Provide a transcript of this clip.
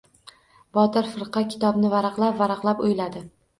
Botir firqa kitobni varaqlab-varaqlab o‘yladi.